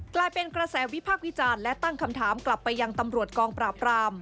กลายเป็นกระแสวิพากษ์วิจารณ์และตั้งคำถามกลับไปยังตำรวจกองปราบราม